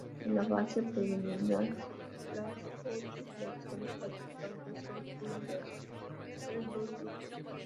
En la fase preliminar las ocho selecciones participantes son reunidas en dos grupos.